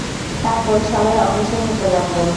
তারপর সবাই অগ্রসর হতে লাগলেন।